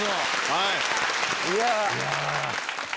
はい。